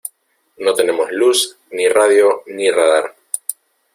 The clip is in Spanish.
no tenemos luz, ni radio ni radar